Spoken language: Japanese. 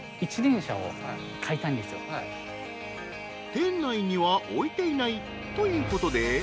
［店内には置いていないということで］